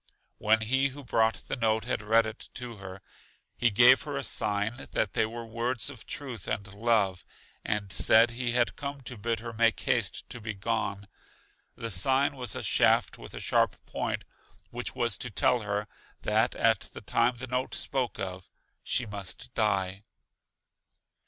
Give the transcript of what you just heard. When he who brought the note had read it to her, he gave her a sign that they were words of truth and love, and said he had come to bid her make haste to be gone. The sign was a shaft with a sharp point, which was to tell her, that at the time the note spoke of, she must die.